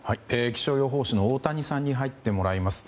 気象予報士の太谷さんに入ってもらいます。